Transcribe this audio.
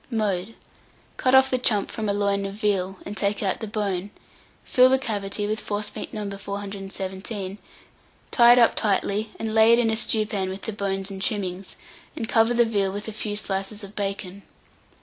Mode. Cut off the chump from a loin of veal, and take out the bone; fill the cavity with forcemeat No. 417, tie it up tightly, and lay it in a stewpan with the bones and trimmings, and cover the veal with a few slices of bacon.